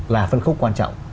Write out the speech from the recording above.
là phân khúc quan trọng